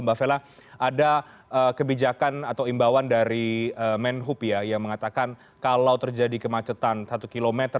mbak vela ada kebijakan atau imbauan dari menhub ya yang mengatakan kalau terjadi kemacetan satu km di gerbang tol maka bisa di gratiskan gitu ya